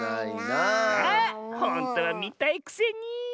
あほんとはみたいくせに。